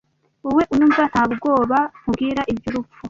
wowe unyumva nta bwoba nkubwira iby'urupfu